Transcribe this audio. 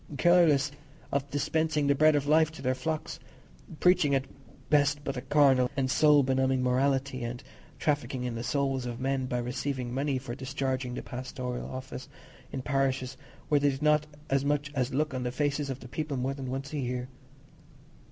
—careless of dispensing the bread of life to their flocks, preaching at best but a carnal and soul benumbing morality, and trafficking in the souls of men by receiving money for discharging the pastoral office in parishes where they did not so much as look on the faces of the people more than once a year.